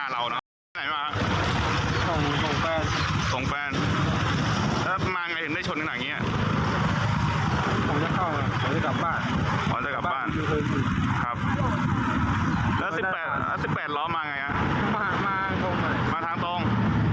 แล้วสิบเป็นร้องมายังไงมาทางตรง